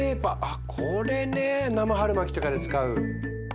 あこれね生春巻きとかで使う。